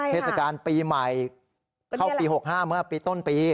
เทศกาลปีใหม่เข้าปี๖๕เมื่อปีต้นปี